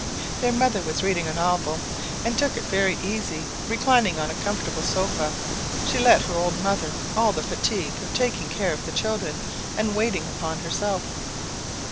Their mother was reading a novel, and took it very easy; reclining on a comfortable sofa, she left her old mother all the fatigue of taking care of the children, and waiting upon herself.